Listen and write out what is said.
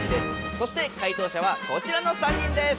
そしてかい答しゃはこちらの３人です！